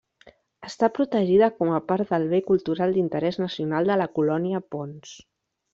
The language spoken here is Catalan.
Està protegida com a part del bé cultural d'interès nacional de la Colònia Pons.